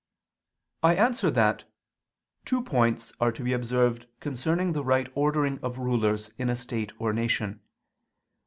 I answer that, Two points are to be observed concerning the right ordering of rulers in a state or nation.